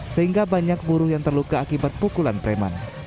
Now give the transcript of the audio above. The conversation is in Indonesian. sehingga banyak buruh yang terluka akibat pukulan preman